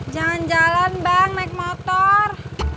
jalan jalan bang naik motor